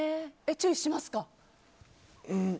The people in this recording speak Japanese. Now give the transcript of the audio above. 注意しますか？